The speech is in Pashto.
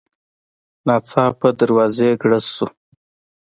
ناڅاپه د دروازې ګړز شو.